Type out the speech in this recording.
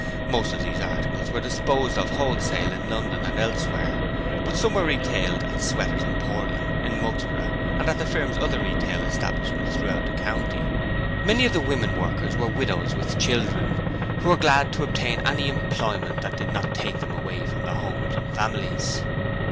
Most of these articles were disposed of wholesale in London and elsewhere, but some were retailed at 'Sweaters' Emporium' in Mugsborough and at the firm's other retail establishments throughout the county. Many of the women workers were widows with children, who were glad to obtain any employment that did not take them away from their homes and families.